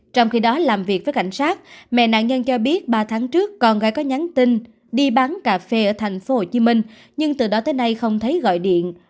trong khi đó làm việc với cảnh sát mẹ nạn nhân cho biết ba tháng trước con gái có nhắn tin đi bán cà phê ở thành phố hồ chí minh nhưng từ đó tới nay không thấy gọi điện